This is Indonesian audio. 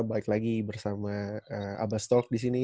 balik lagi bersama abas talk disini